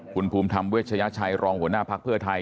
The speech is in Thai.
คุณภูมิธรรมเวชยชัยรองหัวหน้าภักดิ์เพื่อไทย